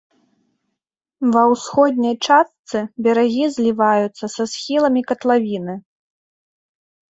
Ва ўсходняй частцы берагі зліваюцца са схіламі катлавіны.